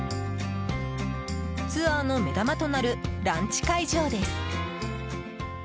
ツアーの目玉となるランチ会場です。